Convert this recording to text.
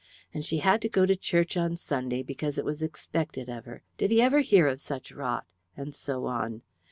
And she had to go to church on Sunday because it was expected of her, did he ever hear of such rot and so on.